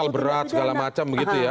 kalau asal berat segala macam begitu ya